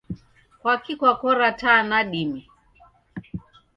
Kwakii kwakora taa nadime?